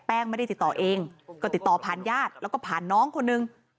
ไม่ได้ติดต่อเองก็ติดต่อผ่านญาติแล้วก็ผ่านน้องคนนึง